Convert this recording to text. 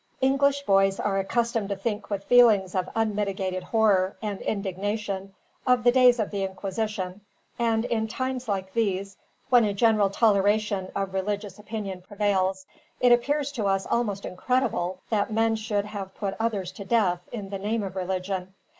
English boys are accustomed to think with feelings of unmitigated horror, and indignation, of the days of the Inquisition; and in times like these, when a general toleration of religious opinion prevails, it appears to us almost incredible that men should have put others to death, in the name of religion.